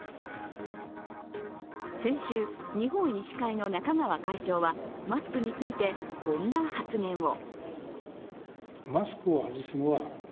先週、日本医師会の中川会長はマスクについて、こんな発言を。